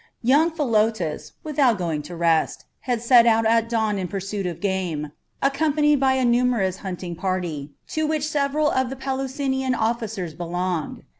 Young Philotas, without going to rest, had set out at dawn in pursuit of game, accompanied by a numerous hunting party, to which several of the Pelusinian officers belonged.